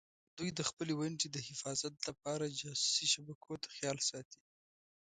دوی د خپلې ونډې د حفاظت لپاره جاسوسي شبکو ته خیال ساتي.